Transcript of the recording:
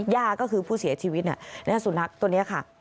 ย่าก็คือผู้เสียชีวิตน่ะนี่ค่ะสุนัขตัวเนี้ยค่ะ